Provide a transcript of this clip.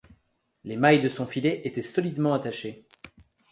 Les mailles de son filet étaient solidement attachées.